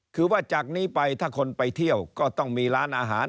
คือว่าจากนี้ไปถ้าคนไปเที่ยวก็ต้องมีร้านอาหาร